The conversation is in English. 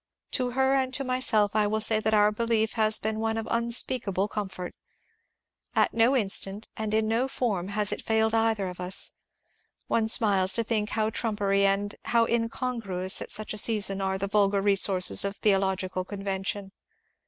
To her and to myself I will say that our belief has been one of unspeakable comfort. At no instant and in no form has it failed either of us. One smiles to think how trumpery and how incongruous at such a season are the vulgar resources of theological convention.